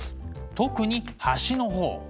特に端の方。